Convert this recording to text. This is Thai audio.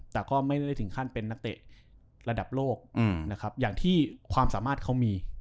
แต่ก็ไม่ได้ถึงขั้นเป็นนักเตะระดับโลกนะครับอย่างที่ความสามารถเขามี